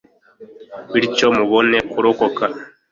bityo mubone kurokoka